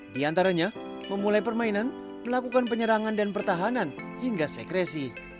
di antaranya memulai permainan melakukan penyerangan dan pertahanan hingga sekresi